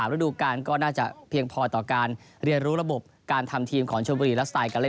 ฤดูการก็น่าจะเพียงพอต่อการเรียนรู้ระบบการทำทีมของชมบุรีและสไตล์การเล่น